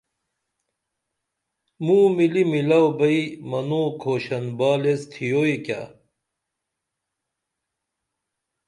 موں مِلی میلو بئی منو کھوشن بال ایس تھیوئی کیہ